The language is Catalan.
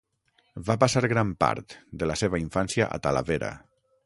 Va passar gran part de la seva infància a Talavera.